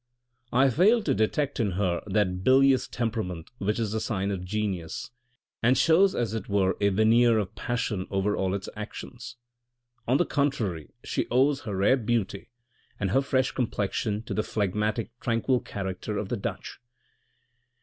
" I fail to detect in her that bilious temperament which is the sign of genius, and shows as it were a veneer of passion over all its actions. On the contrary, she owes her rare beauty and her fresh complexion to the phlegmatic, tranquil character of the Dutch."